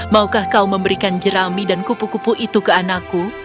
maukah kau memberikan jerami dan kupu kupu itu ke anakku